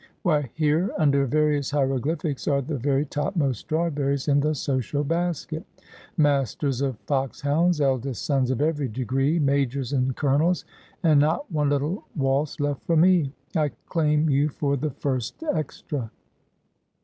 Why, here, under various hieroglyphics, are the very topmost strawberries in the social basket — masters of foxhounds, eldest sons of every degree. 'Al sodmly She swapt Adoivn to Ground? 223 majors and colonels — and not one little waltz left for me ! I claim you for the first extra.'